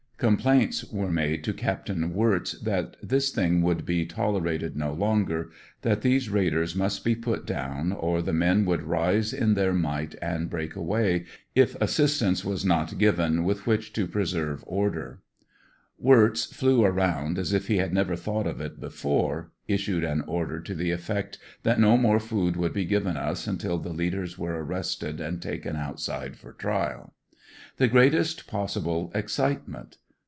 Com plaints were made to Capt. Wirtz that this thing would be tolera no longer, that these raiders must be put down or the men would rise in their might and break away if assistance was not given 76 ANDERSONVJLLE DIARY. with which to preserve order. Wirtz flew around as if he had never thought of it before, issued an order to the effect that no more food would be given us until the leaders were arrested and taken outside for trial. The greatest possible excitement.